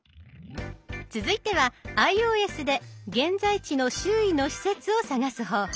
続いてはｉＯＳで現在地の周囲の施設を探す方法。